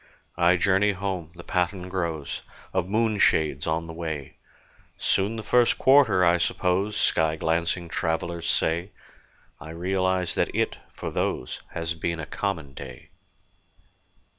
I journey home: the pattern grows Of moonshades on the way: "Soon the first quarter, I suppose," Sky glancing travellers say; I realize that it, for those, Has been a common day.